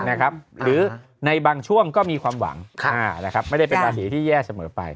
นะครับหรือในบางช่วงก็มีความหวังค่ะนะครับไม่ได้เป็นราศีที่แย่เสมอไป